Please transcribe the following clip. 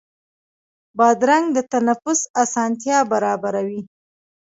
بادرنګ د تنفس اسانتیا برابروي.